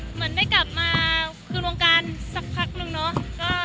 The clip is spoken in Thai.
เหมือนได้กลับมาคืนวงการสักพักนึงเนาะ